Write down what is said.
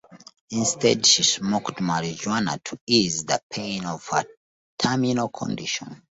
Instead she smoked marijuana to ease the pain of her terminal condition.